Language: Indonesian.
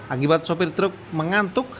akibat sopir truk mengantuk